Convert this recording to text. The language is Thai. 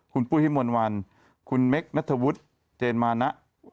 คุณปุ้ยมวลวัลคุณเม็กซ์นัทวุฒิ์เจนมานะ